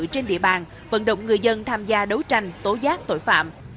trên địa bàn vận động người dân tham gia đấu tranh tố giác tội phạm